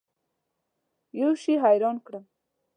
یوه شي حیران کړم.